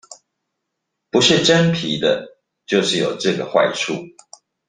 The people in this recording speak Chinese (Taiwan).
不是真皮的就是有這個壞處！